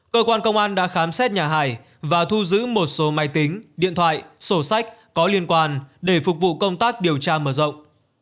cơ quan công an đã khám xét nhà hải và thu giữ một số máy tính điện thoại sổ sách có liên quan để phục vụ công tác điều tra mở rộng